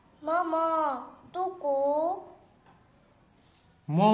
「ママどこ？」。